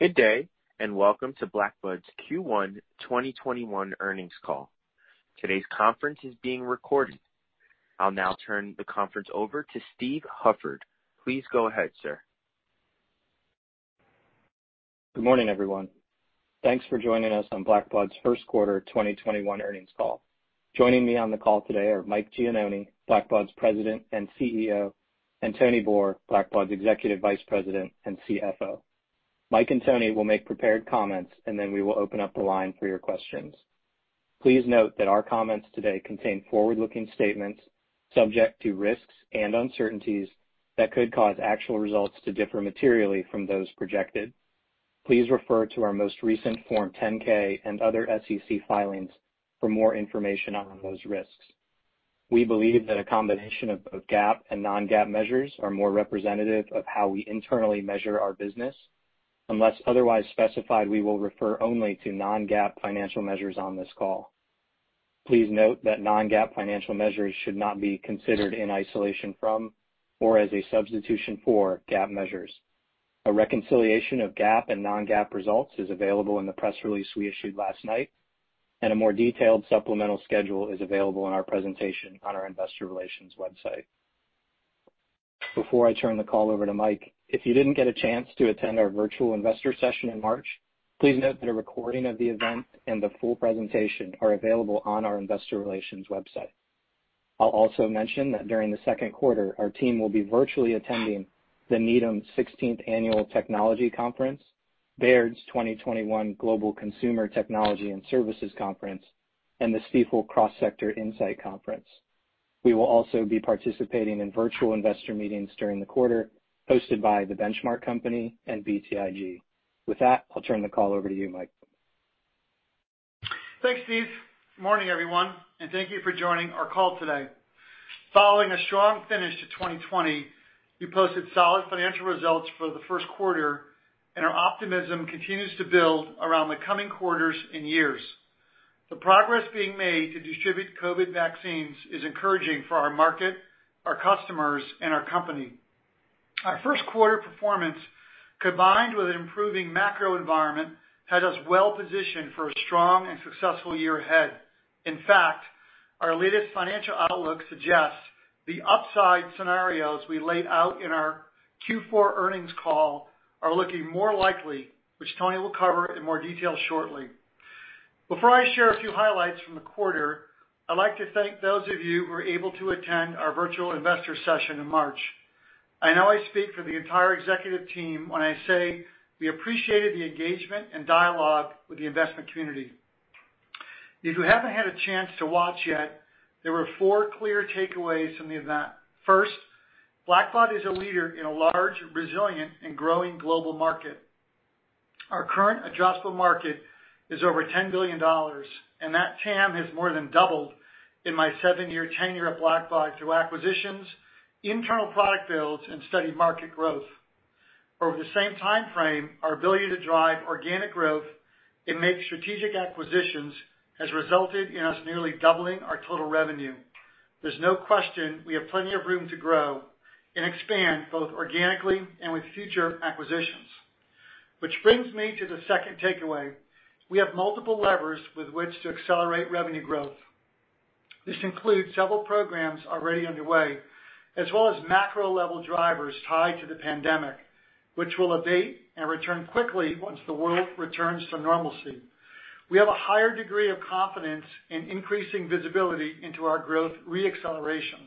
Good day, and welcome to Blackbaud's Q1 2021 earnings call. Today's conference is being recorded. I'll now turn the conference over to Steve Hufford. Please go ahead, sir. Good morning, everyone. Thanks for joining us on Blackbaud's first quarter 2021 earnings call. Joining me on the call today are Mike Gianoni, Blackbaud's President and CEO, and Tony Boor, Blackbaud's Executive Vice President and CFO. Mike and Tony will make prepared comments, and then we will open up the line for your questions. Please note that our comments today contain forward-looking statements subject to risks and uncertainties that could cause actual results to differ materially from those projected. Please refer to our most recent Form 10-K and other SEC filings for more information on those risks. We believe that a combination of both GAAP and non-GAAP measures are more representative of how we internally measure our business. Unless otherwise specified, we will refer only to non-GAAP financial measures on this call. Please note that non-GAAP financial measures should not be considered in isolation from or as a substitution for GAAP measures. A reconciliation of GAAP and non-GAAP results is available in the press release we issued last night, and a more detailed supplemental schedule is available in our presentation on our investor relations website. Before I turn the call over to Mike, if you didn't get a chance to attend our virtual investor session in March, please note that a recording of the event and the full presentation are available on our investor relations website. I'll also mention that during the second quarter, our team will be virtually attending the Needham 16th Annual Technology Conference, Baird's 2021 Global Consumer Technology and Services Conference, and the Stifel Cross Sector Insight Conference. We will also be participating in virtual investor meetings during the quarter hosted by The Benchmark Company and BTIG. With that, I'll turn the call over to you, Mike. Thanks, Steve. Morning, everyone, and thank you for joining our call today. Following a strong finish to 2020, we posted solid financial results for the first quarter, and our optimism continues to build around the coming quarters and years. The progress being made to distribute COVID vaccines is encouraging for our market, our customers, and our company. Our first quarter performance, combined with an improving macro environment, has us well positioned for a strong and successful year ahead. In fact, our latest financial outlook suggests the upside scenarios we laid out in our Q4 earnings call are looking more likely, which Tony will cover in more detail shortly. Before I share a few highlights from the quarter, I'd like to thank those of you who were able to attend our virtual investor session in March. I know I speak for the entire executive team when I say we appreciated the engagement and dialogue with the investment community. If you haven't had a chance to watch yet, there were four clear takeaways from the event. First, Blackbaud is a leader in a large, resilient, and growing global market. Our current addressable market is over $10 billion, and that TAM has more than doubled in my seven-year tenure at Blackbaud through acquisitions, internal product builds, and steady market growth. Over the same timeframe, our ability to drive organic growth and make strategic acquisitions has resulted in us nearly doubling our total revenue. There's no question we have plenty of room to grow and expand both organically and with future acquisitions. Which brings me to the second takeaway. We have multiple levers with which to accelerate revenue growth. This includes several programs already underway, as well as macro-level drivers tied to the pandemic, which will abate and return quickly once the world returns to normalcy. We have a higher degree of confidence in increasing visibility into our growth re-acceleration.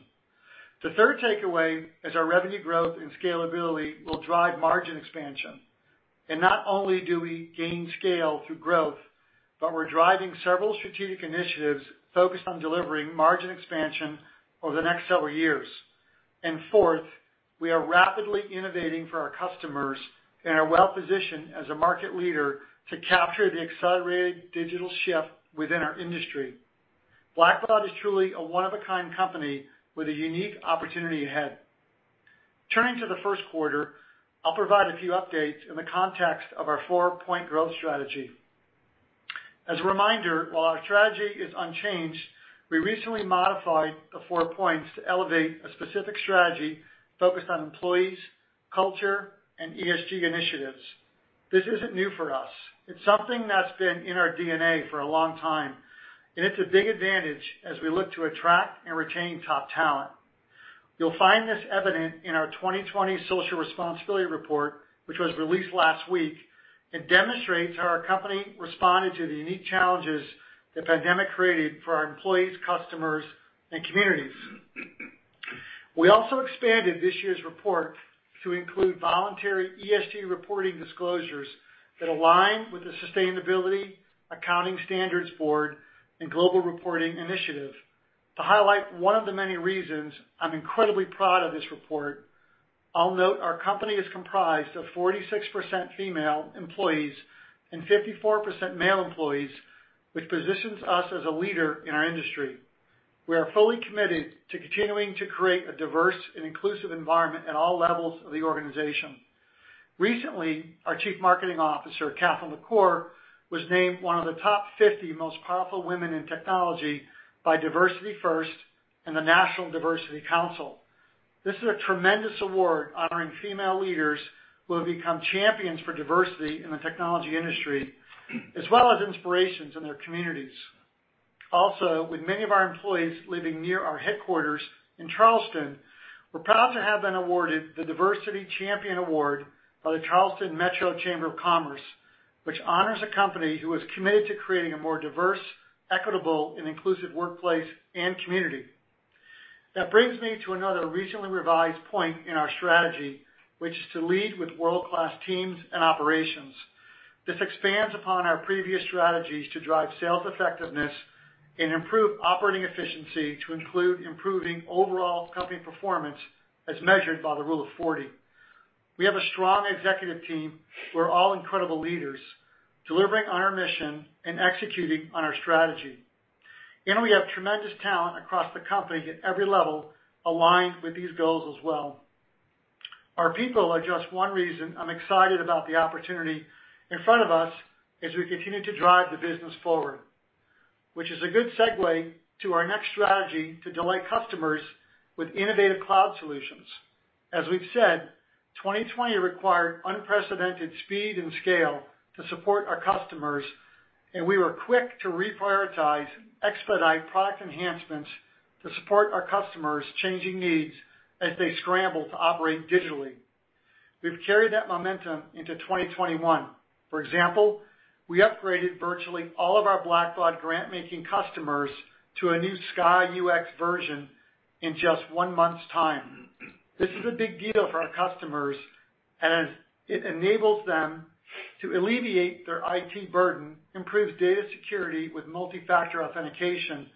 The third takeaway is our revenue growth and scalability will drive margin expansion. Not only do we gain scale through growth, but we're driving several strategic initiatives focused on delivering margin expansion over the next several years. Fourth, we are rapidly innovating for our customers and are well-positioned as a market leader to capture the accelerated digital shift within our industry. Blackbaud is truly a one-of-a-kind company with a unique opportunity ahead. Turning to the first quarter, I'll provide a few updates in the context of our four-point growth strategy. As a reminder, while our strategy is unchanged, we recently modified the four points to elevate a specific strategy focused on employees, culture, and ESG initiatives. This isn't new for us. It's something that's been in our DNA for a long time, and it's a big advantage as we look to attract and retain top talent. You'll find this evident in our 2020 social responsibility report, which was released last week. It demonstrates how our company responded to the unique challenges the pandemic created for our employees, customers, and communities. We also expanded this year's report to include voluntary ESG reporting disclosures that align with the Sustainability Accounting Standards Board and Global Reporting Initiative. To highlight one of the many reasons I'm incredibly proud of this report, I'll note our company is comprised of 46% female employees and 54% male employees, which positions us as a leader in our industry. We are fully committed to continuing to create a diverse and inclusive environment at all levels of the organization. Recently, our Chief Marketing Officer, Catherine LaCour, was named one of the top 50 most powerful women in technology by DiversityFIRST and the National Diversity Council. This is a tremendous award honoring female leaders who have become champions for diversity in the technology industry, as well as inspirations in their communities. Also, with many of our employees living near our headquarters in Charleston, we're proud to have been awarded the Diversity Champion Award by the Charleston Metro Chamber of Commerce, which honors a company who is committed to creating a more diverse, equitable, and inclusive workplace and community. That brings me to another recently revised point in our strategy, which is to lead with world-class teams and operations. This expands upon our previous strategies to drive sales effectiveness and improve operating efficiency to include improving overall company performance as measured by the Rule of 40. We have a strong executive team who are all incredible leaders, delivering on our mission and executing on our strategy. We have tremendous talent across the company at every level aligned with these goals as well. Our people are just one reason I am excited about the opportunity in front of us as we continue to drive the business forward, which is a good segue to our next strategy to delight customers with innovative cloud solutions. As we have said, 2020 required unprecedented speed and scale to support our customers, and we were quick to reprioritize, expedite product enhancements to support our customers' changing needs as they scramble to operate digitally. We have carried that momentum into 2021. For example, we upgraded virtually all of our Blackbaud Grantmaking customers to a new SKY UX version in just one month's time. This is a big deal for our customers as it enables them to alleviate their IT burden, improves data security with multi-factor authentication,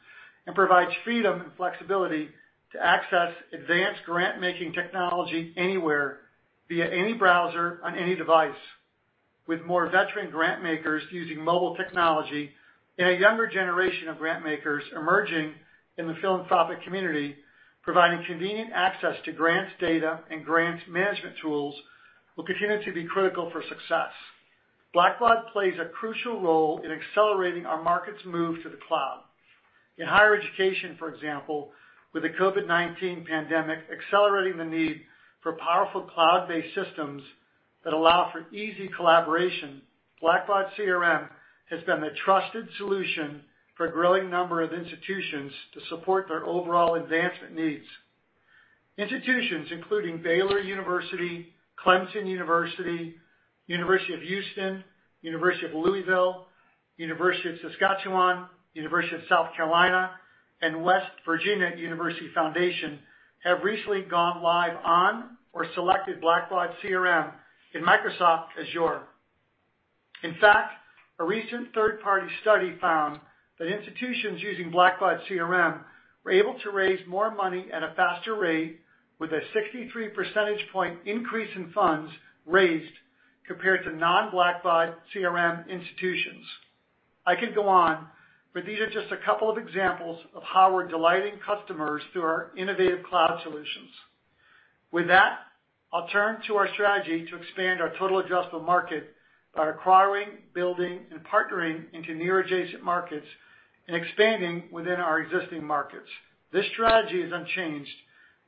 and provides freedom and flexibility to access advanced grant-making technology anywhere via any browser on any device. With more veteran grant makers using mobile technology and a younger generation of grant makers emerging in the philanthropic community, providing convenient access to grants data and grants management tools will continue to be critical for success. Blackbaud plays a crucial role in accelerating our market's move to the cloud. In higher education, for example, with the COVID-19 pandemic accelerating the need for powerful cloud-based systems that allow for easy collaboration, Blackbaud CRM has been the trusted solution for a growing number of institutions to support their overall advancement needs. Institutions including Baylor University, Clemson University, University of Houston, University of Louisville, University of Saskatchewan, University of South Carolina, and West Virginia University Foundation have recently gone live on or selected Blackbaud CRM in Microsoft Azure. In fact, a recent third-party study found that institutions using Blackbaud CRM were able to raise more money at a faster rate with a 63 percentage point increase in funds raised compared to non-Blackbaud CRM institutions. I could go on, but these are just a couple of examples of how we're delighting customers through our innovative cloud solutions. With that, I'll turn to our strategy to expand our total addressable market by acquiring, building, and partnering into near adjacent markets and expanding within our existing markets. This strategy is unchanged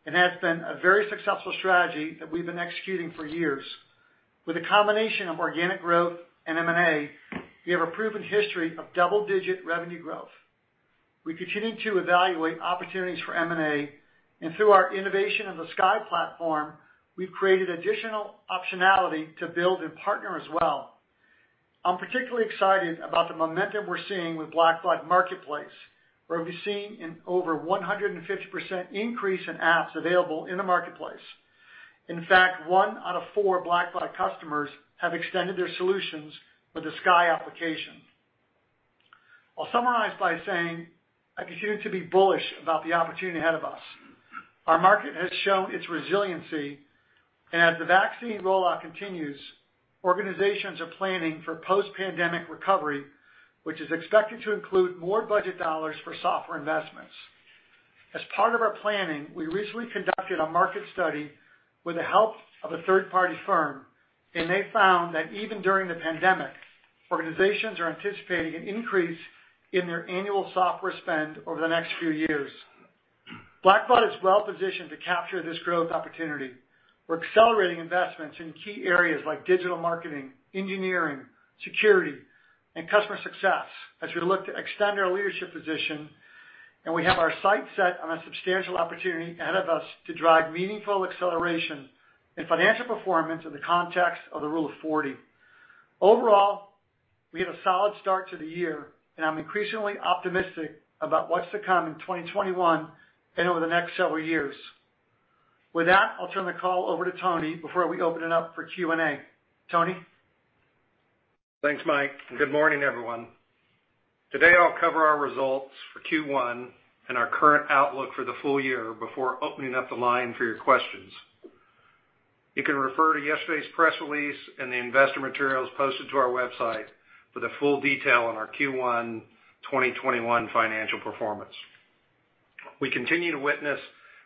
and has been a very successful strategy that we've been executing for years. With a combination of organic growth and M&A, we have a proven history of double-digit revenue growth. We continue to evaluate opportunities for M&A, and through our innovation of the SKY platform, we've created additional optionality to build and partner as well. I'm particularly excited about the momentum we're seeing with Blackbaud Marketplace, where we've seen an over 150% increase in apps available in the marketplace. In fact, one out of four Blackbaud customers have extended their solutions with the SKY application. I'll summarize by saying I continue to be bullish about the opportunity ahead of us. Our market has shown its resiliency, and as the vaccine rollout continues, organizations are planning for post-pandemic recovery, which is expected to include more budget dollars for software investments. As part of our planning, we recently conducted a market study with the help of a third-party firm, they found that even during the pandemic, organizations are anticipating an increase in their annual software spend over the next few years. Blackbaud is well positioned to capture this growth opportunity. We're accelerating investments in key areas like digital marketing, engineering, security, and customer success as we look to extend our leadership position, we have our sights set on a substantial opportunity ahead of us to drive meaningful acceleration and financial performance in the context of the Rule of 40. Overall, we had a solid start to the year, and I'm increasingly optimistic about what's to come in 2021 and over the next several years. With that, I'll turn the call over to Tony before we open it up for Q&A. Tony? Thanks, Mike, good morning, everyone. Today, I'll cover our results for Q1 and our current outlook for the full year before opening up the line for your questions. You can refer to yesterday's press release and the investor materials posted to our website for the full detail on our Q1 2021 financial performance. We continue to witness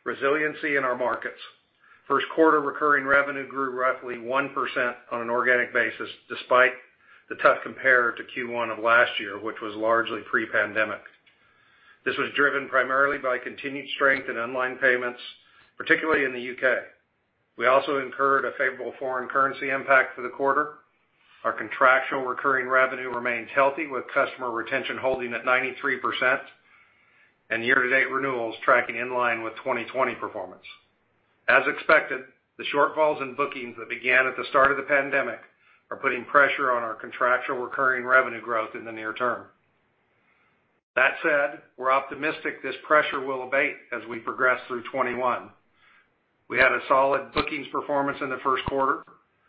resiliency in our markets. First quarter recurring revenue grew roughly 1% on an organic basis, despite the tough compare to Q1 of last year, which was largely pre-pandemic. This was driven primarily by continued strength in online payments, particularly in the U.K. We also incurred a favorable foreign currency impact for the quarter. Our contractual recurring revenue remains healthy, with customer retention holding at 93%, and year-to-date renewals tracking in line with 2020 performance. As expected, the shortfalls in bookings that began at the start of the pandemic are putting pressure on our contractual recurring revenue growth in the near term. That said, we're optimistic this pressure will abate as we progress through 2021. We had a solid bookings performance in the first quarter,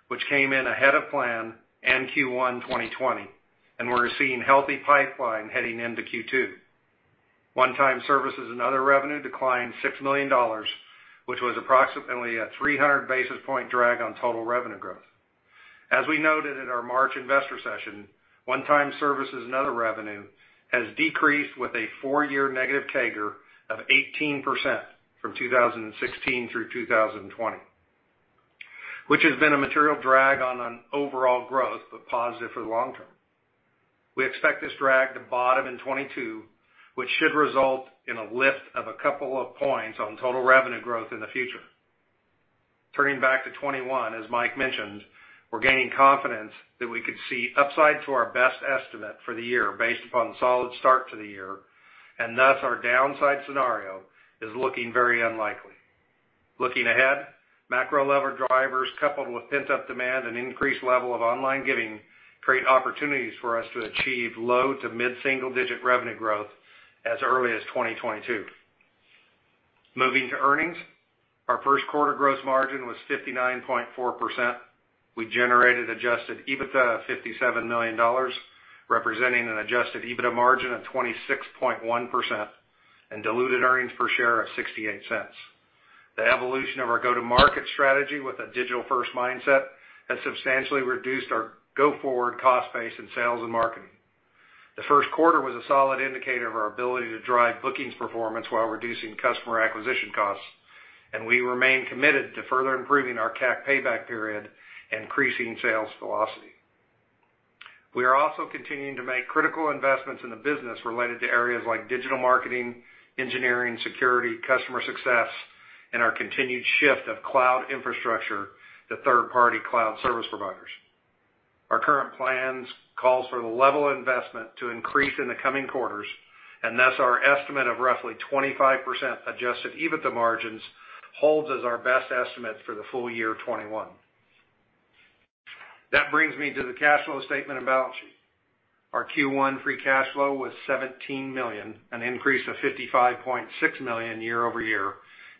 which came in ahead of plan and Q1 2020, and we're seeing healthy pipeline heading into Q2. One-time services and other revenue declined $6 million, which was approximately a 300 basis point drag on total revenue growth. As we noted in our March investor session, one-time services and other revenue has decreased with a four-year negative CAGR of 18% from 2016 through 2020, which has been a material drag on overall growth, but positive for the long term. We expect this drag to bottom in 2022, which should result in a lift of a couple of points on total revenue growth in the future. Turning back to 2021, as Mike mentioned, we're gaining confidence that we could see upside to our best estimate for the year based upon the solid start to the year, and thus our downside scenario is looking very unlikely. Looking ahead, macro level drivers, coupled with pent-up demand and increased level of online giving, create opportunities for us to achieve low- to mid-single digit revenue growth as early as 2022. Moving to earnings. Our first quarter gross margin was 59.4%. We generated Adjusted EBITDA of $57 million, representing an Adjusted EBITDA margin of 26.1%, and diluted earnings per share of $0.68. The evolution of our go-to-market strategy with a digital-first mindset has substantially reduced our go-forward cost base in sales and marketing. The first quarter was a solid indicator of our ability to drive bookings performance while reducing customer acquisition costs. We remain committed to further improving our CAC payback period and increasing sales velocity. We are also continuing to make critical investments in the business related to areas like digital marketing, engineering, security, customer success, and our continued shift of cloud infrastructure to third-party cloud service providers. Our current plans call for the level of investment to increase in the coming quarters. Thus our estimate of roughly 25% Adjusted EBITDA margins holds as our best estimate for the full year 2021. That brings me to the cash flow statement and balance sheet. Our Q1 free cash flow was $17 million, an increase of $55.6 million year-over-year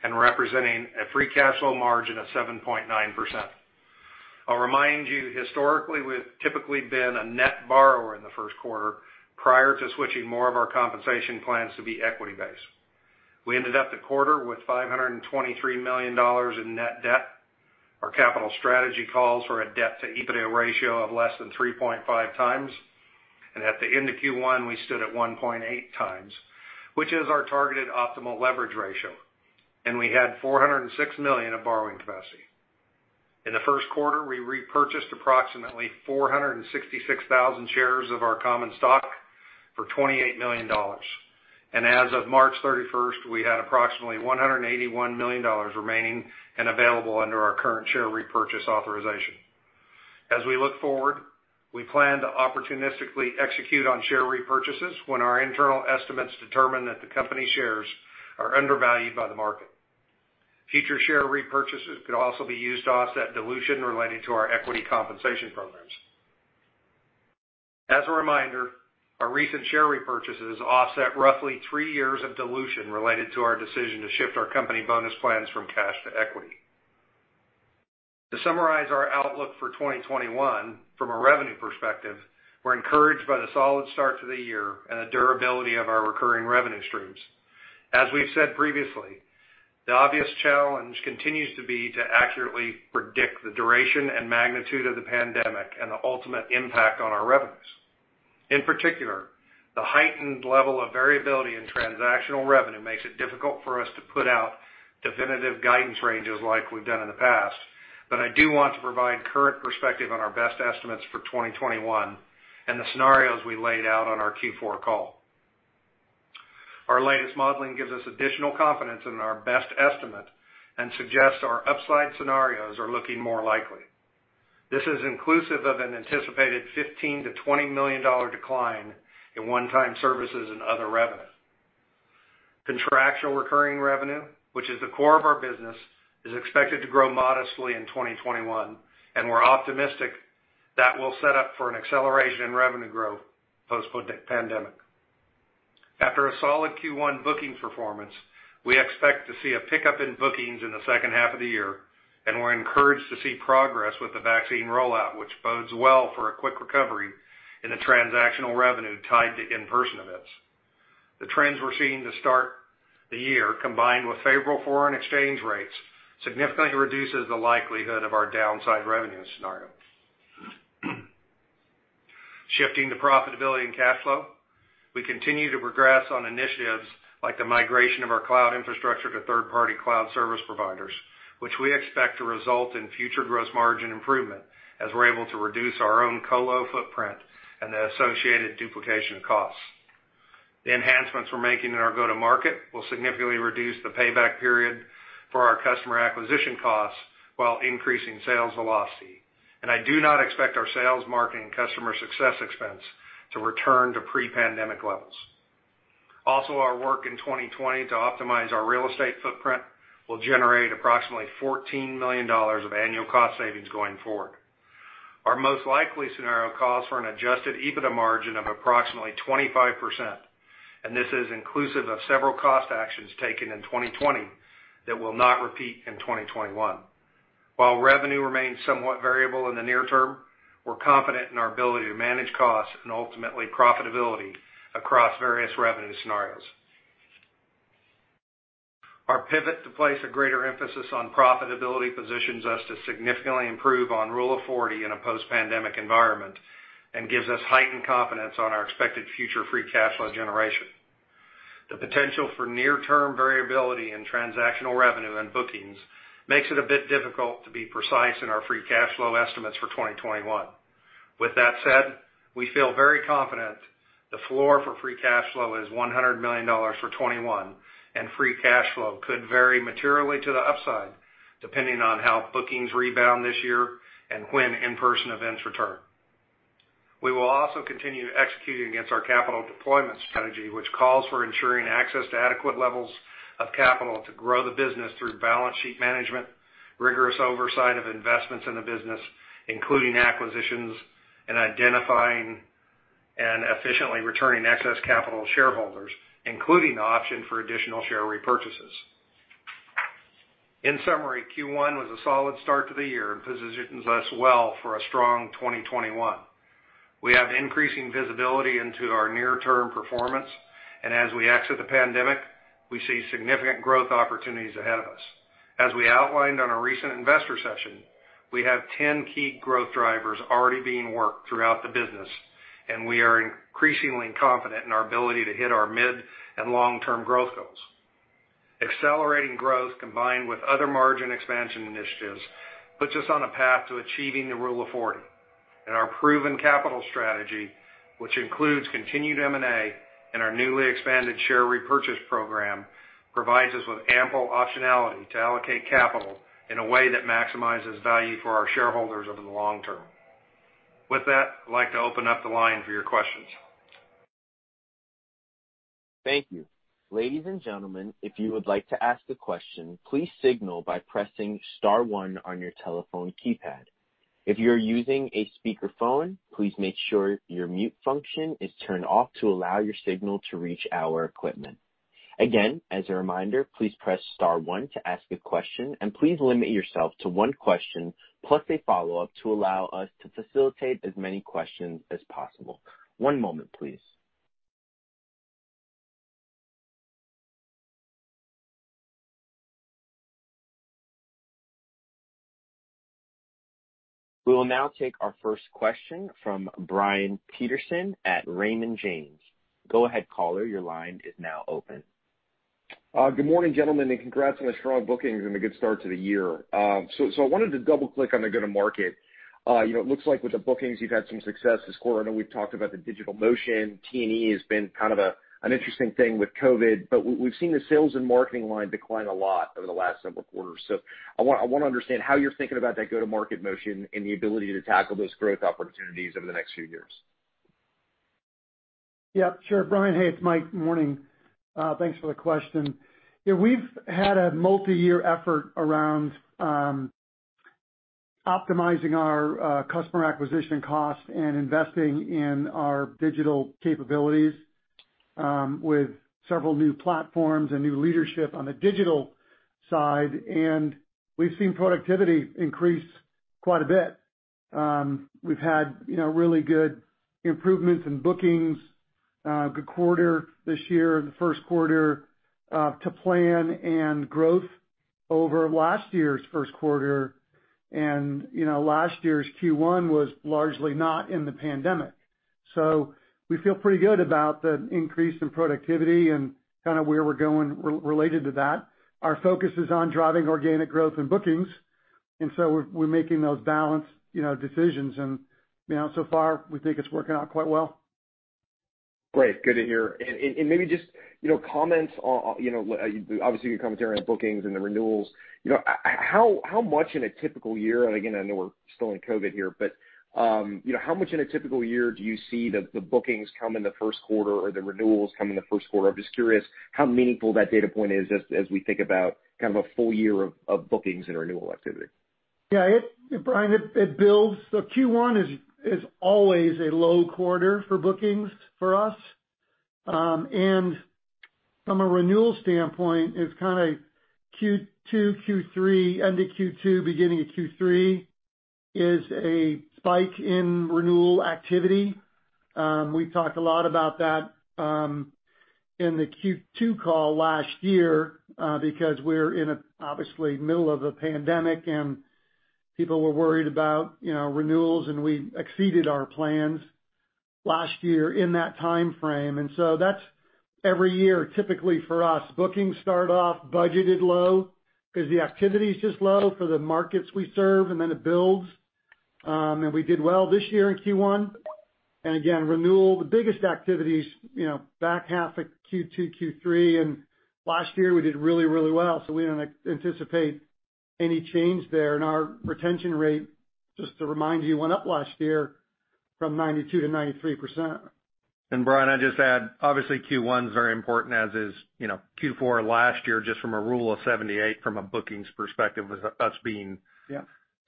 and representing a free cash flow margin of 7.9%. I'll remind you, historically, we've typically been a net borrower in the first quarter prior to switching more of our compensation plans to be equity-based. We ended up the quarter with $523 million in net debt. Our capital strategy calls for a debt-to-EBITDA ratio of less than 3.5x. At the end of Q1, we stood at 1.8x, which is our targeted optimal leverage ratio, and we had $406 million of borrowing capacity. In the first quarter, we repurchased approximately 466,000 shares of our common stock for $28 million. As of March 31st, we had approximately $181 million remaining and available under our current share repurchase authorization. As we look forward, we plan to opportunistically execute on share repurchases when our internal estimates determine that the company shares are undervalued by the market. Future share repurchases could also be used to offset dilution relating to our equity compensation programs. As a reminder, our recent share repurchases offset roughly three years of dilution related to our decision to shift our company bonus plans from cash to equity. To summarize our outlook for 2021, from a revenue perspective, we're encouraged by the solid start to the year and the durability of our recurring revenue streams. As we've said previously, the obvious challenge continues to be to accurately predict the duration and magnitude of the pandemic and the ultimate impact on our revenues. In particular, the heightened level of variability in transactional revenue makes it difficult for us to put out definitive guidance ranges like we've done in the past. I do want to provide current perspective on our best estimates for 2021 and the scenarios we laid out on our Q4 call. Our latest modeling gives us additional confidence in our best estimate and suggests our upside scenarios are looking more likely. This is inclusive of an anticipated $15 million-$20 million decline in one-time services and other revenue. Contractual recurring revenue, which is the core of our business, is expected to grow modestly in 2021. We're optimistic that we'll set up for an acceleration in revenue growth post-pandemic. After a solid Q1 bookings performance, we expect to see a pickup in bookings in the second half of the year. We're encouraged to see progress with the vaccine rollout, which bodes well for a quick recovery in the transactional revenue tied to in-person events. The trends we're seeing to start the year, combined with favorable foreign exchange rates, significantly reduces the likelihood of our downside revenue scenario. Shifting to profitability and cash flow, we continue to progress on initiatives like the migration of our cloud infrastructure to third-party cloud service providers, which we expect to result in future gross margin improvement as we're able to reduce our own co-lo footprint and the associated duplication costs. The enhancements we're making in our go-to-market will significantly reduce the payback period for our customer acquisition costs while increasing sales velocity. I do not expect our sales, marketing, and customer success expense to return to pre-pandemic levels. Also, our work in 2020 to optimize our real estate footprint will generate approximately $14 million of annual cost savings going forward. Our most likely scenario calls for an Adjusted EBITDA margin of approximately 25%, and this is inclusive of several cost actions taken in 2020 that will not repeat in 2021. While revenue remains somewhat variable in the near term, we're confident in our ability to manage costs and ultimately profitability across various revenue scenarios. Our pivot to place a greater emphasis on profitability positions us to significantly improve on Rule of 40 in a post-pandemic environment and gives us heightened confidence on our expected future free cash flow generation. The potential for near-term variability in transactional revenue and bookings makes it a bit difficult to be precise in our free cash flow estimates for 2021. With that said, we feel very confident the floor for free cash flow is $100 million for 2021, and free cash flow could vary materially to the upside, depending on how bookings rebound this year and when in-person events return. We will also continue executing against our capital deployment strategy, which calls for ensuring access to adequate levels of capital to grow the business through balance sheet management, rigorous oversight of investments in the business, including acquisitions, and identifying and efficiently returning excess capital to shareholders, including the option for additional share repurchases. In summary, Q1 was a solid start to the year and positions us well for a strong 2021. We have increasing visibility into our near-term performance, and as we exit the pandemic, we see significant growth opportunities ahead of us. As we outlined on our recent investor session, we have 10 key growth drivers already being worked throughout the business, and we are increasingly confident in our ability to hit our mid- and long-term growth goals. Accelerating growth combined with other margin expansion initiatives puts us on a path to achieving the Rule of 40. Our proven capital strategy, which includes continued M&A and our newly expanded share repurchase program, provides us with ample optionality to allocate capital in a way that maximizes value for our shareholders over the long term. With that, I'd like to open up the line for your questions. Thank you. Ladies and gentlemen, if you would like to ask a question, please signal by pressing star one on your telephone keypad. If you're using a speakerphone, please make sure your mute function is turned off to allow your signal to reach our equipment. Again, as a reminder, please press star one to ask a question, and please limit yourself to one question plus one follow-up to allow us to facilitate as many questions as possible. One moment, please. We will now take our first question from Brian Peterson at Raymond James. Go ahead, caller, your line is now open. Good morning, gentlemen, and congrats on the strong bookings and the good start to the year. I wanted to double-click on the go-to-market. It looks like with the bookings, you've had some success this quarter. I know we've talked about the digital motion. T&E has been kind of an interesting thing with COVID, but we've seen the sales and marketing line decline a lot over the last several quarters. I want to understand how you're thinking about that go-to-market motion and the ability to tackle those growth opportunities over the next few years. Yeah, sure. Brian, hey, it's Mike. Morning. Thanks for the question. We've had a multi-year effort around optimizing our customer acquisition cost and investing in our digital capabilities, with several new platforms and new leadership on the digital side, and we've seen productivity increase quite a bit. We've had really good improvements in bookings, good quarter this year in the first quarter to plan and growth over last year's first quarter. Last year's Q1 was largely not in the pandemic. We feel pretty good about the increase in productivity and kind of where we're going related to that. Our focus is on driving organic growth and bookings, we're making those balanced decisions. So far, we think it's working out quite well. Great. Good to hear. Maybe just comments on, obviously, your commentary on the bookings and the renewals. How much in a typical year, and again, I know we're still in COVID here, but how much in a typical year do you see the bookings come in the first quarter or the renewals come in the first quarter? I'm just curious how meaningful that data point is as we think about kind of a full year of bookings and renewal activity. Yeah, Brian, it builds. Q1 is always a low quarter for bookings for us. From a renewal standpoint, it's kind of Q2, Q3, end of Q2, beginning of Q3, is a spike in renewal activity. We've talked a lot about that In the Q2 call last year, because we're in, obviously, middle of a pandemic and people were worried about renewals, and we exceeded our plans last year in that timeframe. So that's every year, typically for us. Bookings start off budgeted low because the activity's just low for the markets we serve, and then it builds. We did well this year in Q1. Again, renewal, the biggest activity's back half of Q2, Q3. Last year we did really, really well, so we don't anticipate any change there. Our retention rate, just to remind you, went up last year from 92%-93%. Brian, I'd just add, obviously Q1's very important, as is Q4 last year, just from a Rule of 78s from a bookings perspective. Yeah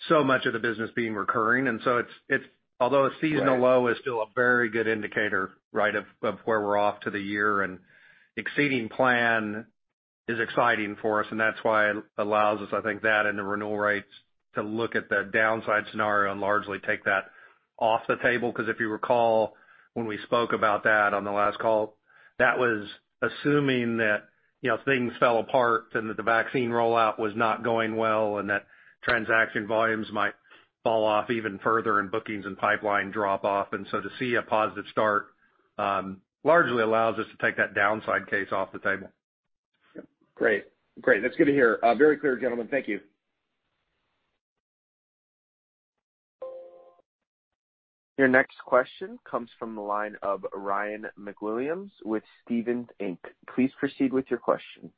So much of the business being recurring. Although it's seasonal. Right Low is still a very good indicator of where we're off to the year. Exceeding plan is exciting for us, and that's why it allows us, I think that and the renewal rates, to look at the downside scenario and largely take that off the table. If you recall, when we spoke about that on the last call, that was assuming that things fell apart and that the vaccine rollout was not going well, and that transaction volumes might fall off even further and bookings and pipeline drop off. To see a positive start largely allows us to take that downside case off the table. Great. That's good to hear. Very clear, gentlemen. Thank you. Your next question comes from the line of Ryan MacWilliams with Stephens Inc. Please proceed with your question.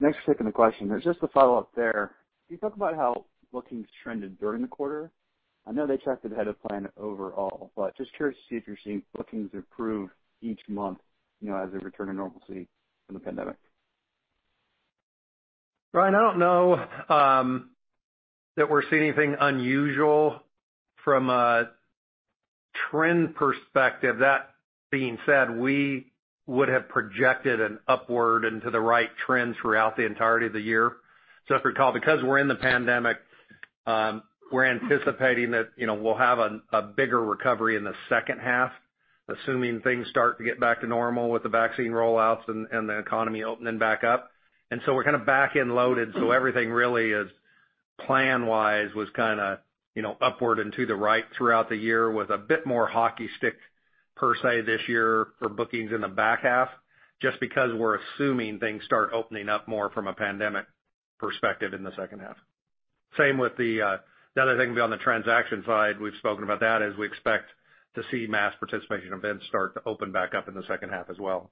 Thanks for taking the question. Just to follow up there, can you talk about how bookings trended during the quarter? I know they tracked ahead of plan overall, but just curious to see if you're seeing bookings improve each month, as a return to normalcy from the pandemic. Ryan, I don't know that we're seeing anything unusual from a trend perspective. That being said, we would have projected an upward and to the right trend throughout the entirety of the year. If you recall, because we're in the pandemic, we're anticipating that we'll have a bigger recovery in the second half, assuming things start to get back to normal with the vaccine rollouts and the economy opening back up. We're kind of back-end loaded, everything really is plan-wise was kind of upward and to the right throughout the year with a bit more hockey stick per se this year for bookings in the back half, just because we're assuming things start opening up more from a pandemic perspective in the second half. Same with the other thing on the transaction side, we've spoken about that as we expect to see mass participation events start to open back up in the second half as well.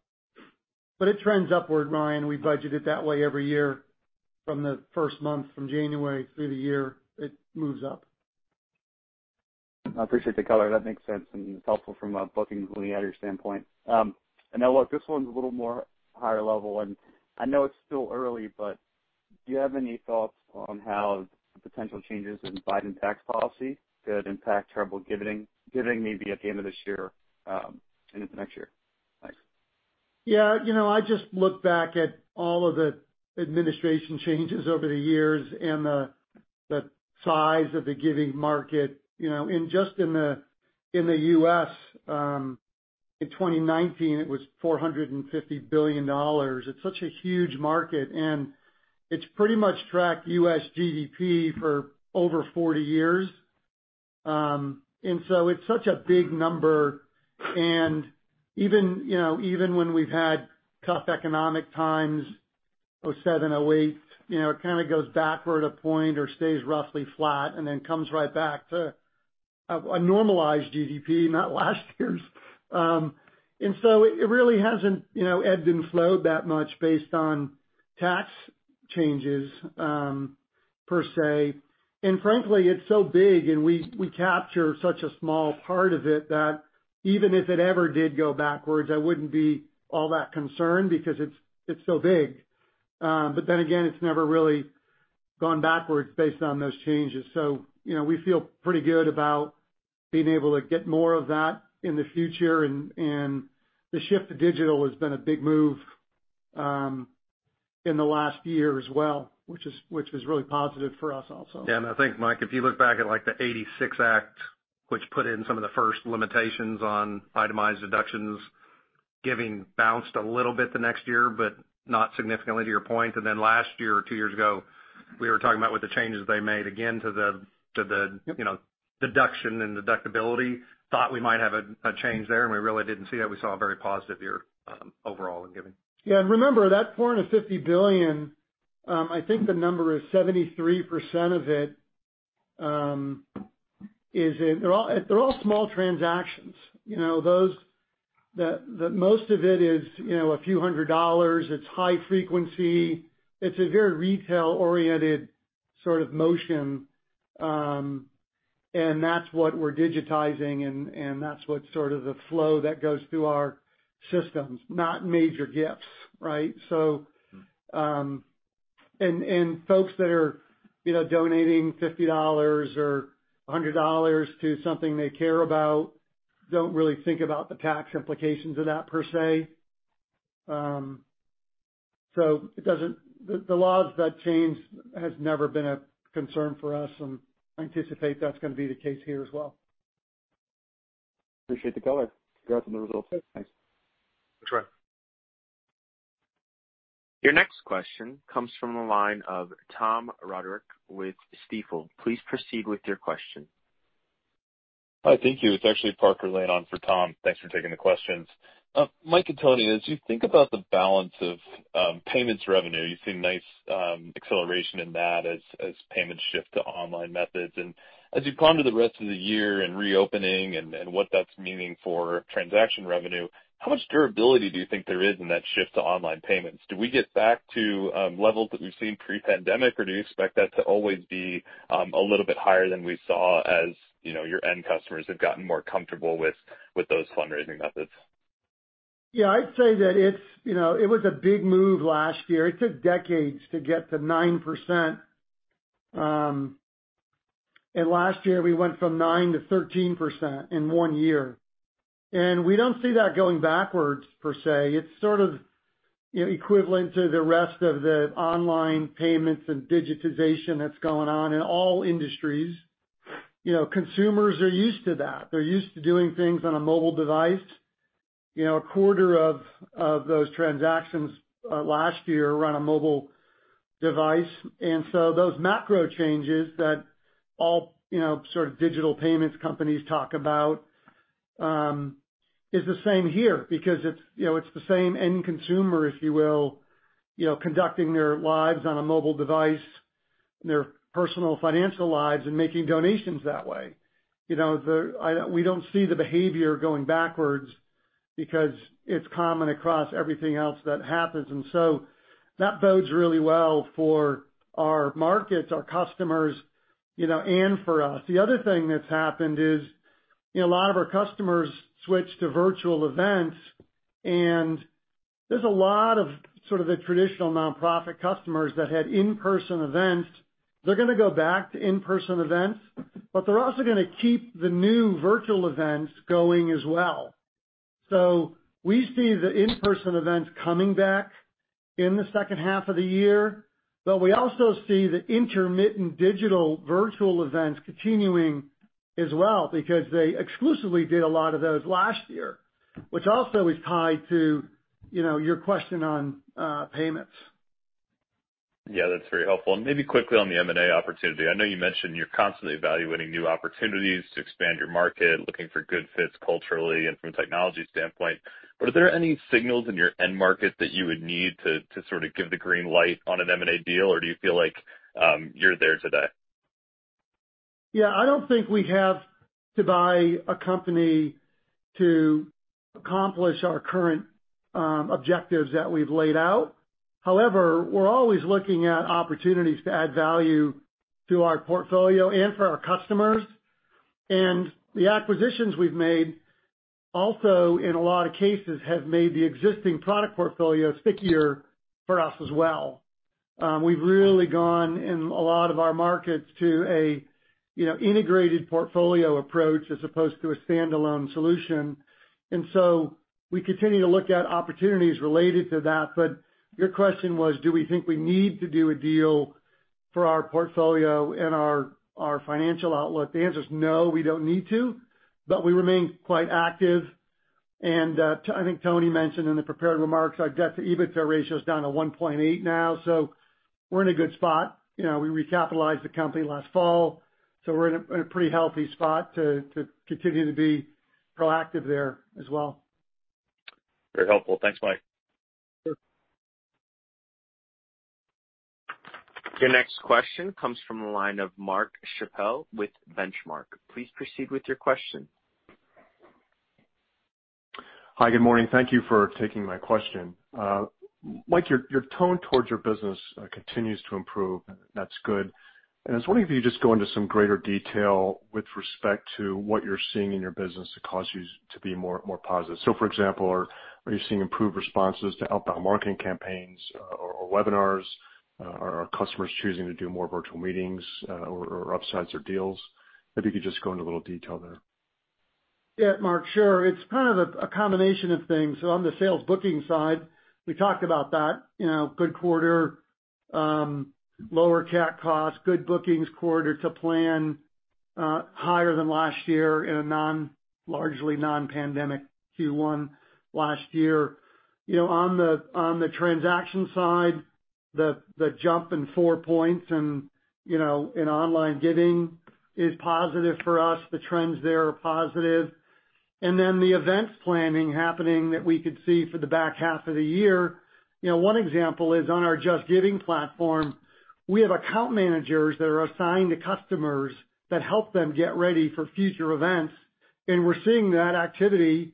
It trends upward, Ryan. We budget it that way every year from the first month, from January through the year. It moves up. I appreciate the color. That makes sense and helpful from a bookings linear standpoint. Now look, this one's a little more higher level, and I know it's still early, but do you have any thoughts on how the potential changes in Biden tax policy could impact charitable giving maybe at the end of this year and into next year? Thanks. Yeah. I just look back at all of the administration changes over the years and the size of the giving market. Just in the U.S., in 2019, it was $450 billion. It's such a huge market, and it's pretty much tracked U.S. GDP for over 40 years. It's such a big number, and even when we've had tough economic times, 2007, 2008, it kind of goes backward a point or stays roughly flat and then comes right back to a normalized GDP, not last year's. It really hasn't ebbed and flowed that much based on tax changes per se. Frankly, it's so big, and we capture such a small part of it that even if it ever did go backwards, I wouldn't be all that concerned because it's so big. Again, it's never really gone backwards based on those changes. We feel pretty good about being able to get more of that in the future. The shift to digital has been a big move in the last year as well, which is really positive for us also. I think, Mike, if you look back at like the 1986 Act, which put in some of the first limitations on itemized deductions, giving bounced a little bit the next year, but not significantly to your point. Then last year or two years ago, we were talking about with the changes they made again to the Yep Deduction and deductibility, thought we might have a change there, and we really didn't see that. We saw a very positive year overall in giving. Yeah, remember that $450 billion, I think the number is 73% of it, they're all small transactions. Most of it is a few hundred dollars. It's high frequency. It's a very retail-oriented sort of motion. That's what we're digitizing, that's what's sort of the flow that goes through our systems, not major gifts, right? Folks that are donating $50 or $100 to something they care about don't really think about the tax implications of that per se. The laws that change has never been a concern for us, and I anticipate that's going to be the case here as well. Appreciate the color. Congrats on the results. Thanks. That's right. Your next question comes from the line of Tom Roderick with Stifel. Please proceed with your question. Hi, thank you. It's actually Parker Lane on for Tom. Thanks for taking the questions. Mike and Tony, as you think about the balance of payments revenue, you've seen nice acceleration in that as payments shift to online methods. As you ponder the rest of the year and reopening and what that's meaning for transaction revenue, how much durability do you think there is in that shift to online payments? Do we get back to levels that we've seen pre-pandemic, or do you expect that to always be a little bit higher than we saw as your end customers have gotten more comfortable with those fundraising methods? I'd say that it was a big move last year. It took decades to get to 9%. Last year we went from 9%-13% in one year. We don't see that going backwards per se. It's sort of equivalent to the rest of the online payments and digitization that's going on in all industries. Consumers are used to that. They're used to doing things on a mobile device. A quarter of those transactions last year were on a mobile device. Those macro changes that all sort of digital payments companies talk about, is the same here because it's the same end consumer, if you will, conducting their lives on a mobile device, their personal financial lives, and making donations that way. We don't see the behavior going backwards because it's common across everything else that happens. That bodes really well for our markets, our customers, and for us. The other thing that's happened is a lot of our customers switched to virtual events, and there's a lot of sort of the traditional nonprofit customers that had in-person events. They're going to go back to in-person events, but they're also going to keep the new virtual events going as well. We see the in-person events coming back in the second half of the year, but we also see the intermittent digital virtual events continuing as well, because they exclusively did a lot of those last year, which also is tied to your question on payments. Yeah, that's very helpful. Maybe quickly on the M&A opportunity. I know you mentioned you're constantly evaluating new opportunities to expand your market, looking for good fits culturally and from a technology standpoint, are there any signals in your end market that you would need to sort of give the green light on an M&A deal, or do you feel like you're there today? Yeah, I don't think we have to buy a company to accomplish our current objectives that we've laid out. However, we're always looking at opportunities to add value to our portfolio and for our customers. The acquisitions we've made also, in a lot of cases, have made the existing product portfolio stickier for us as well. We've really gone in a lot of our markets to an integrated portfolio approach as opposed to a standalone solution. We continue to look at opportunities related to that. Your question was, do we think we need to do a deal for our portfolio and our financial outlook? The answer is no, we don't need to, but we remain quite active. I think Tony mentioned in the prepared remarks, our debt to EBITDA ratio is down to 1.8 now. We're in a good spot. We recapitalized the company last fall, so we're in a pretty healthy spot to continue to be proactive there as well. Very helpful. Thanks, Mike. Sure. Your next question comes from the line of Mark Schappel with Benchmark. Please proceed with your question. Hi. Good morning. Thank you for taking my question. Mike, your tone towards your business continues to improve. That's good. I was wondering if you just go into some greater detail with respect to what you're seeing in your business that caused you to be more positive. For example, are you seeing improved responses to outbound marketing campaigns or webinars? Are customers choosing to do more virtual meetings, or upsides or deals? If you could just go into a little detail there. Mark, sure. It's kind of a combination of things. On the sales bookings side, we talked about that. Good quarter, lower CAC cost, good bookings quarter to plan, higher than last year in a largely non-pandemic Q1 last year. On the transaction side, the jump in four points and in online giving is positive for us. The trends there are positive. The events planning happening that we could see for the back half of the year. One example is on our JustGiving platform, we have account managers that are assigned to customers that help them get ready for future events, and we're seeing that activity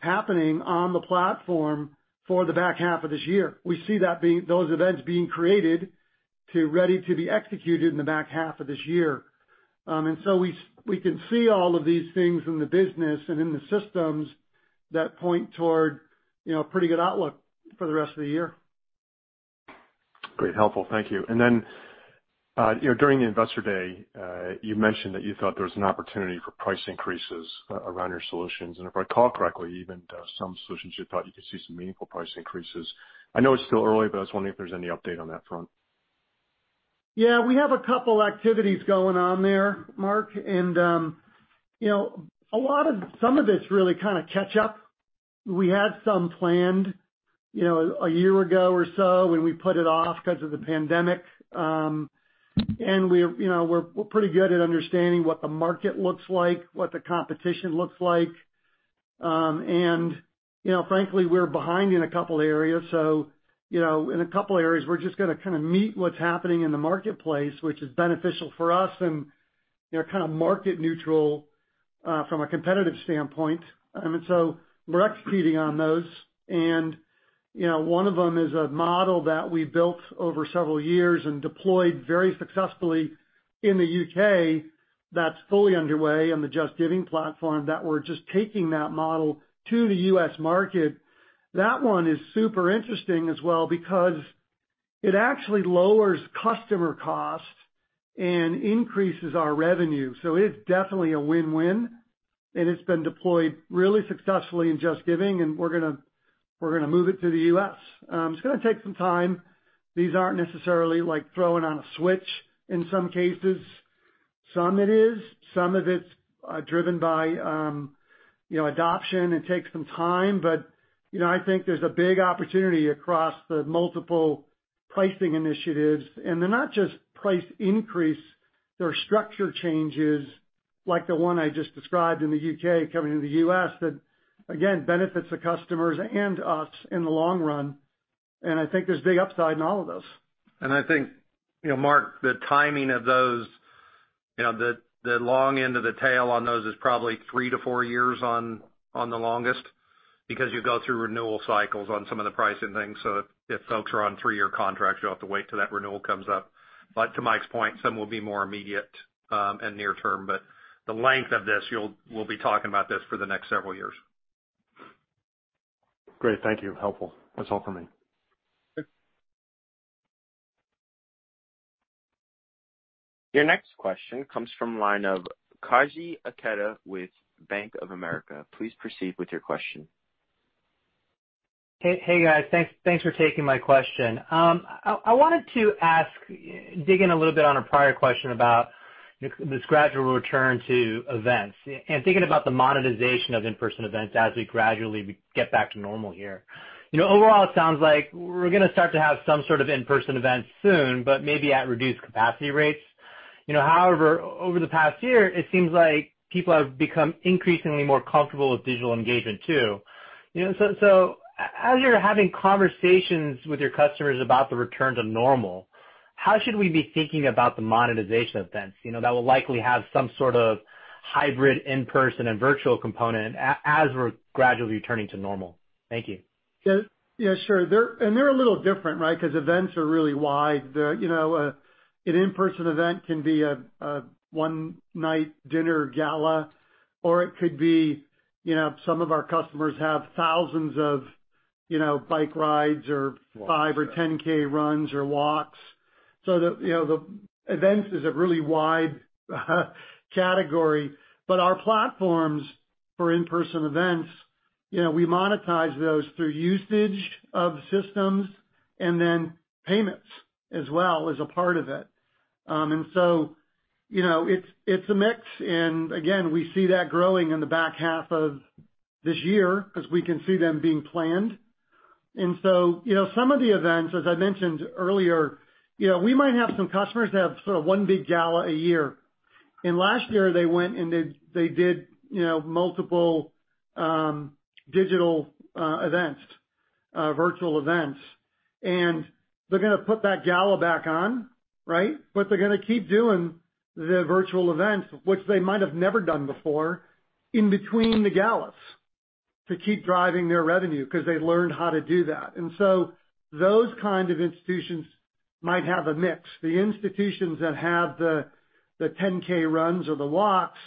happening on the platform for the back half of this year. We see those events being created to ready to be executed in the back half of this year. We can see all of these things in the business and in the systems that point toward a pretty good outlook for the rest of the year. Great, helpful. Thank you. During the investor day, you mentioned that you thought there was an opportunity for price increases around your solutions, and if I recall correctly, even some solutions you thought you could see some meaningful price increases. I know it's still early, but I was wondering if there's any update on that front. Yeah. We have a couple activities going on there, Mark. Some of it's really kind of catch up. We had some planned a year ago or so and we put it off because of the pandemic. We're pretty good at understanding what the market looks like, what the competition looks like. Frankly, we're behind in a couple areas, so in a couple areas, we're just going to kind of meet what's happening in the marketplace, which is beneficial for us and kind of market neutral from a competitive standpoint. We're executing on those. One of them is a model that we built over several years and deployed very successfully in the U.K. that's fully underway on the JustGiving platform, that we're just taking that model to the U.S. market. That one is super interesting as well, because it actually lowers customer cost and increases our revenue. It's definitely a win-win, and it's been deployed really successfully in JustGiving, and we're going to move it to the U.S. It's going to take some time. These aren't necessarily like throwing on a switch in some cases. Some it is. Some of it's driven by adoption and takes some time. I think there's a big opportunity across the multiple pricing initiatives. They're not just price increase. There are structure changes, like the one I just described in the U.K. coming into the U.S., that again benefits the customers and us in the long run. I think there's big upside in all of those. I think, Mark, the timing of those, the long end of the tail on those is probably three to four years on the longest, because you go through renewal cycles on some of the pricing things. If folks are on three-year contracts, you'll have to wait till that renewal comes up. To Mike's point, some will be more immediate and near-term. The length of this, we'll be talking about this for the next several years. Great. Thank you. Helpful. That's all for me. Okay. Your next question comes from line of Koji Ikeda with Bank of America. Hey, guys. Thanks for taking my question. I wanted to dig in a little bit on a prior question about this gradual return to events and thinking about the monetization of in-person events as we gradually get back to normal here. Overall, it sounds like we're going to start to have some sort of in-person events soon, but maybe at reduced capacity rates. However, over the past year, it seems like people have become increasingly more comfortable with digital engagement, too. As you're having conversations with your customers about the return to normal, how should we be thinking about the monetization events that will likely have some sort of hybrid in-person and virtual component as we're gradually returning to normal? Thank you. Yeah. Sure. They're a little different, right? Because events are really wide. An in-person event can be a one-night dinner gala, or it could be some of our customers have thousands of bike rides or 5K or 10K runs or walks. The events is a really wide category. Our platforms for in-person events, we monetize those through usage of systems and payments as well as a part of it. It's a mix, and again, we see that growing in the back half of this year because we can see them being planned. Some of the events, as I mentioned earlier, we might have some customers that have sort of one big gala a year. Last year they went and they did multiple digital events, virtual events. They're going to put that gala back on, right? They're going to keep doing the virtual events, which they might have never done before, in between the galas to keep driving their revenue because they learned how to do that. Those kind of institutions might have a mix. The institutions that have the 10K runs or the walks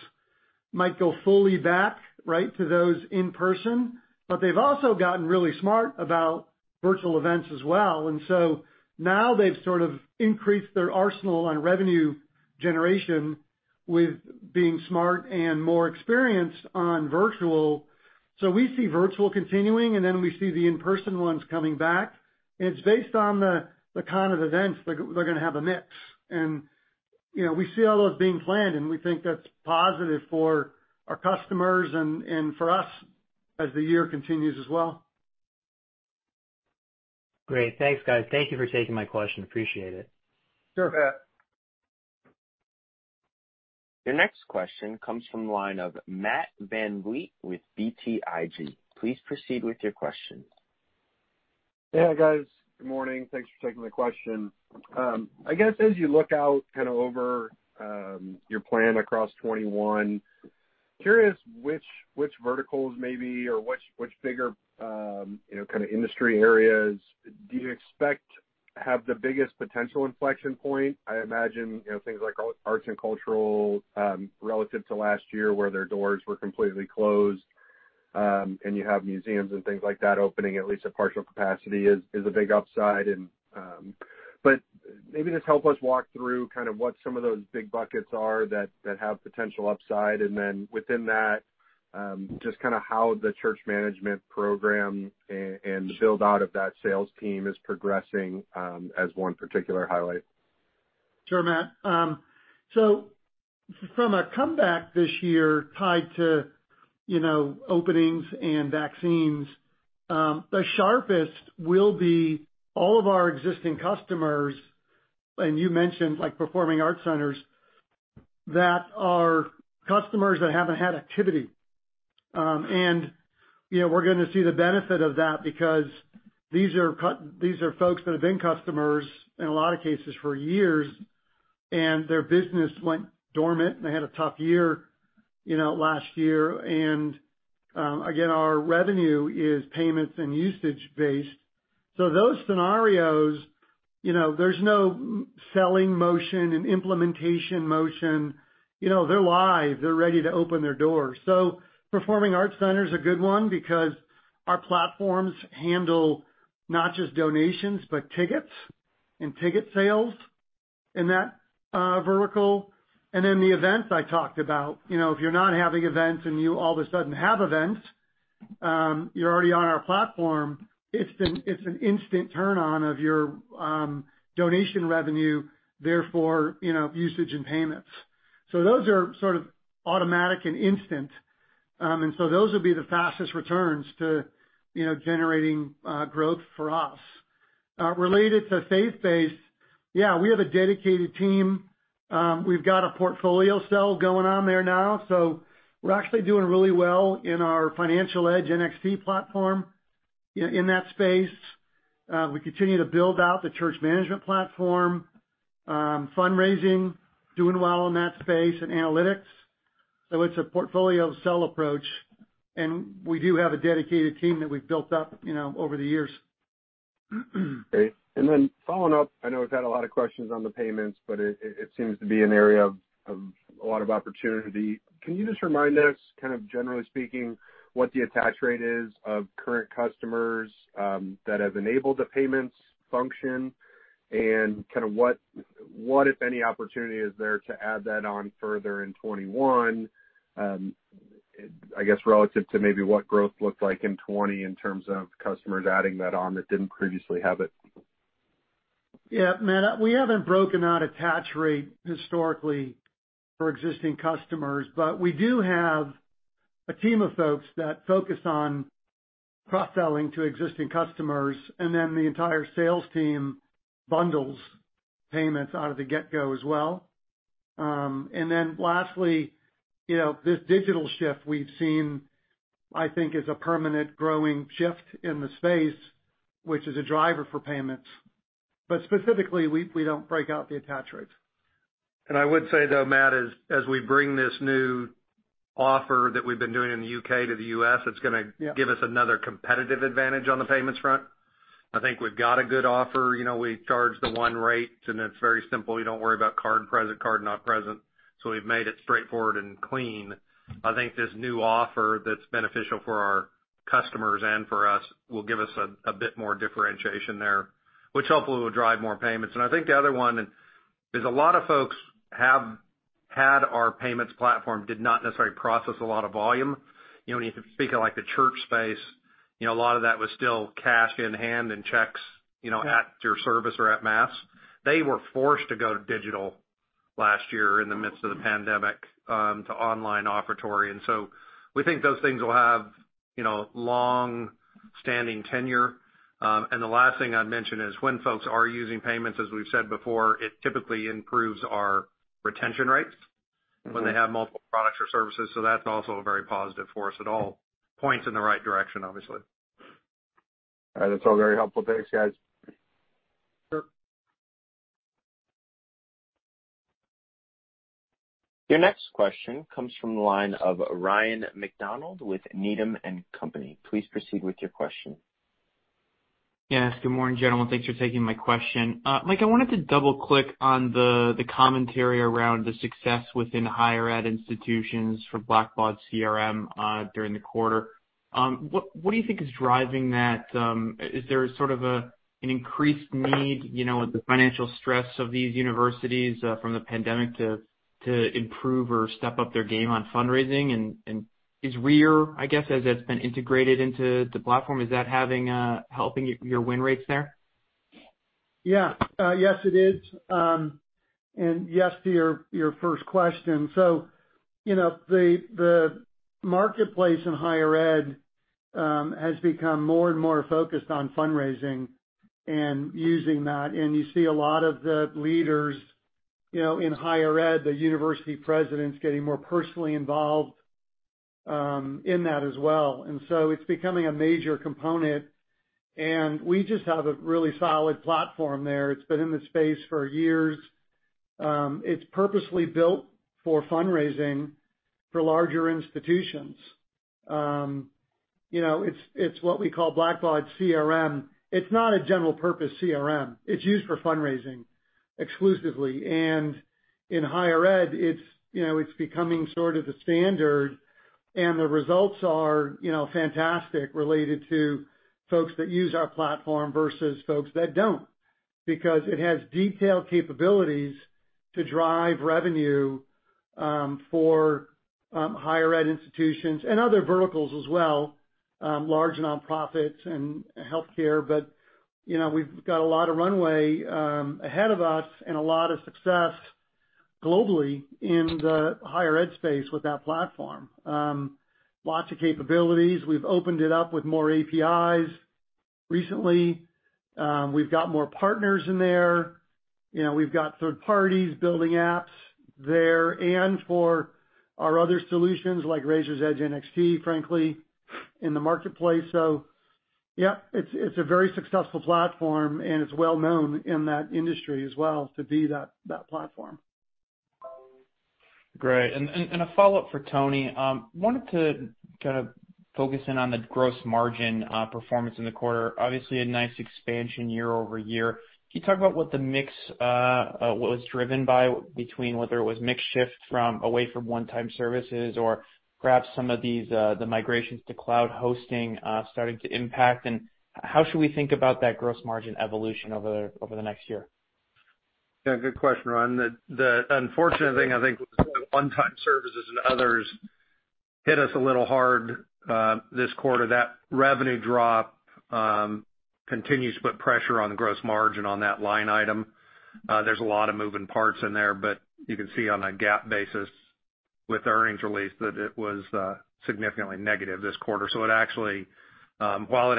might go fully back, right, to those in person. They've also gotten really smart about virtual events as well. Now they've sort of increased their arsenal on revenue generation with being smart and more experienced on virtual. We see virtual continuing, then we see the in-person ones coming back. It's based on the kind of events. They're going to have a mix. We see all those being planned, and we think that's positive for our customers and for us as the year continues as well. Great. Thanks, guys. Thank you for taking my question. Appreciate it. Sure. You bet. Your next question comes from the line of Matt VanVliet with BTIG. Please proceed with your question. Hey, guys. Good morning. Thanks for taking my question. I guess as you look out kind of over your plan across 2021, curious which verticals maybe or which bigger kind of industry areas do you expect have the biggest potential inflection point? I imagine things like arts and cultural, relative to last year where their doors were completely closed. You have museums and things like that opening, at least at partial capacity is a big upside. Maybe just help us walk through kind of what some of those big buckets are that have potential upside, and then within that, just kind of how the church management program and the build-out of that sales team is progressing, as one particular highlight. Sure, Matt. From a comeback this year tied to openings and vaccines, the sharpest will be all of our existing customers, and you mentioned like performing art centers, that are customers that haven't had activity. We're gonna see the benefit of that because these are folks that have been customers, in a lot of cases, for years, and their business went dormant, and they had a tough year last year. Again, our revenue is payments and usage-based. Those scenarios, there's no selling motion and implementation motion. They're live. They're ready to open their doors. Performing art center's a good one because our platforms handle not just donations, but tickets and ticket sales in that vertical. The events I talked about. If you're not having events and you all of a sudden have events, you're already on our platform. It's an instant turn-on of your donation revenue, therefore, usage and payments. Those are sort of automatic and instant. Those will be the fastest returns to generating growth for us. Related to faith-based, yeah, we have a dedicated team. We've got a portfolio sell going on there now, so we're actually doing really well in our Financial Edge NXT platform in that space. We continue to build out the church management platform. Fundraising, doing well in that space, and analytics. It's a portfolio sell approach, and we do have a dedicated team that we've built up over the years. Great. Following up, I know we've had a lot of questions on the payments, but it seems to be an area of a lot of opportunity. Can you just remind us, kind of generally speaking, what the attach rate is of current customers that have enabled the payments function? What, if any, opportunity is there to add that on further in 2021, I guess, relative to maybe what growth looked like in 2020 in terms of customers adding that on that didn't previously have it? Yeah, Matt, we haven't broken out attach rate historically for existing customers, but we do have a team of folks that focus on cross-selling to existing customers, and then the entire sales team bundles payments out of the get-go as well. Lastly, this digital shift we've seen, I think is a permanent growing shift in the space, which is a driver for payments. Specifically, we don't break out the attach rates. I would say, though, Matt, as we bring this new offer that we've been doing in the U.K. to the U.S., it's going to. Yeah Give us another competitive advantage on the payments front. I think we've got a good offer. We charge the one rate, and it's very simple. You don't worry about card present, card not present. We've made it straightforward and clean. I think this new offer that's beneficial for our customers and for us will give us a bit more differentiation there, which hopefully will drive more payments. I think the other one is a lot of folks have had our payments platform, did not necessarily process a lot of volume. If you think of the church space, a lot of that was still cash in hand and checks at your service or at mass. They were forced to go digital last year in the midst of the pandemic, to online offertory, and so we think those things will have longstanding tenure. The last thing I'd mention is when folks are using payments, as we've said before, it typically improves our retention rates. When they have multiple products or services, that's also very positive for us. It all points in the right direction, obviously. All right. That's all very helpful. Thanks, guys. Sure. Your next question comes from the line of Ryan MacDonald with Needham & Company. Please proceed with your question. Yes. Good morning, gentlemen. Thanks for taking my question. Mike, I wanted to double-click on the commentary around the success within higher ed institutions for Blackbaud CRM, during the quarter. What do you think is driving that? Is there sort of an increased need, with the financial stress of these universities, from the pandemic to improve or step up their game on fundraising? Is Raiser's Edge NXT, I guess, as it's been integrated into the platform, is that helping your win rates there? Yes, it is. Yes to your first question. The marketplace in higher ed has become more and more focused on fundraising and using that. You see a lot of the leaders in higher ed, the university presidents getting more personally involved in that as well. It's becoming a major component, and we just have a really solid platform there. It's been in the space for years. It's purposely built for fundraising for larger institutions. It's what we call Blackbaud CRM. It's not a general-purpose CRM. It's used for fundraising exclusively. In higher ed, it's becoming sort of the standard. The results are fantastic related to folks that use our platform versus folks that don't. It has detailed capabilities to drive revenue for higher ed institutions and other verticals as well, large nonprofits and healthcare. We've got a lot of runway ahead of us and a lot of success globally in the higher ed space with that platform. Lots of capabilities. We've opened it up with more APIs recently. We've got more partners in there. We've got third parties building apps there and for our other solutions like Raiser's Edge NXT, frankly, in the marketplace. Yeah, it's a very successful platform, and it's well-known in that industry as well to be that platform. Great. A follow-up for Tony. Wanted to kind of focus in on the gross margin performance in the quarter. Obviously, a nice expansion year-over-year. Can you talk about what the mix was driven by between whether it was mix shift from away from one-time services or perhaps some of these, the migrations to cloud hosting starting to impact? How should we think about that gross margin evolution over the next year? Good question, Ryan. The unfortunate thing I think was one-time services and others hit us a little hard this quarter. That revenue drop continues to put pressure on gross margin on that line item. There is a lot of moving parts in there, you can see on a GAAP basis with earnings release that it was significantly negative this quarter. It actually, while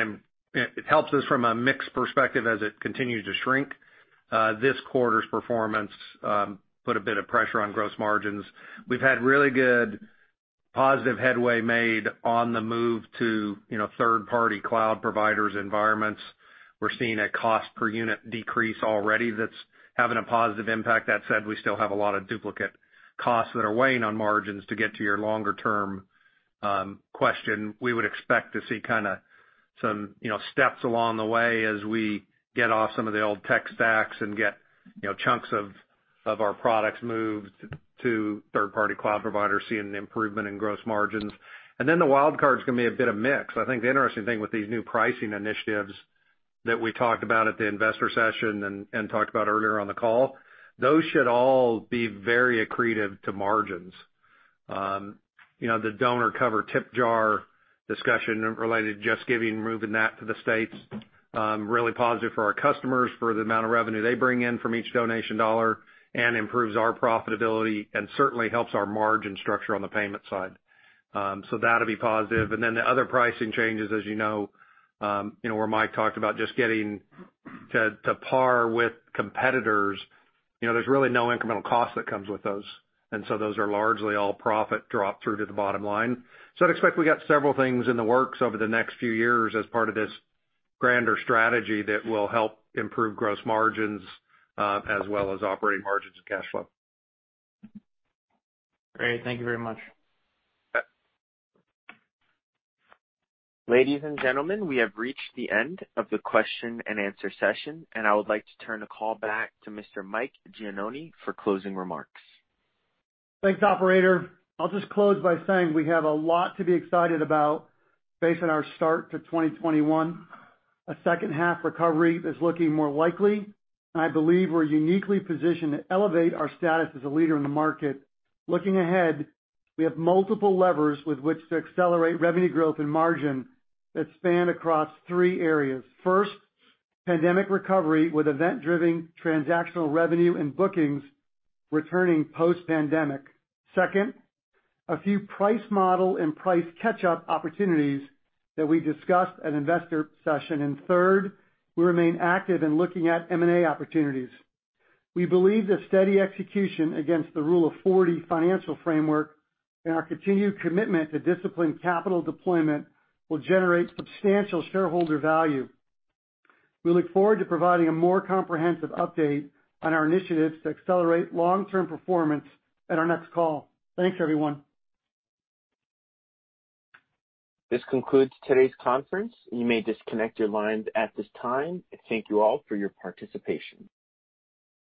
it helps us from a mix perspective as it continues to shrink, this quarter's performance put a bit of pressure on gross margins. We have had really good positive headway made on the move to third-party cloud providers' environments. We are seeing a cost per unit decrease already that is having a positive impact. That said, we still have a lot of duplicate costs that are weighing on margins to get to your longer-term question. We would expect to see kind of some steps along the way as we get off some of the old tech stacks and get chunks of our products moved to third-party cloud providers, seeing an improvement in gross margins. The wild card's going to be a bit of mix. I think the interesting thing with these new pricing initiatives that we talked about at the investor session and talked about earlier on the call, those should all be very accretive to margins. The donor cover tip jar discussion related to JustGiving, moving that to the U.S., really positive for our customers for the amount of revenue they bring in from each donation dollar and improves our profitability and certainly helps our margin structure on the payment side. That'll be positive. The other pricing changes, as you know, where Mike talked about just getting to par with competitors, there's really no incremental cost that comes with those. Those are largely all profit drop through to the bottom line. I'd expect we got several things in the works over the next few years as part of this grander strategy that will help improve gross margins as well as operating margins and cash flow. Great. Thank you very much. Ladies and gentlemen, we have reached the end of the question and answer session, and I would like to turn the call back to Mr. Mike Gianoni for closing remarks. Thanks, operator. I'll just close by saying we have a lot to be excited about based on our start to 2021. A second half recovery is looking more likely, and I believe we're uniquely positioned to elevate our status as a leader in the market. Looking ahead, we have multiple levers with which to accelerate revenue growth and margin that span across three areas. First, pandemic recovery with event-driven transactional revenue and bookings returning post-pandemic. Second, a few price model and price catch-up opportunities that we discussed at investor session. Third, we remain active in looking at M&A opportunities. We believe that steady execution against the Rule of 40 financial framework and our continued commitment to disciplined capital deployment will generate substantial shareholder value. We look forward to providing a more comprehensive update on our initiatives to accelerate long-term performance at our next call. Thanks, everyone. This concludes today's conference. You may disconnect your lines at this time, and thank you all for your participation.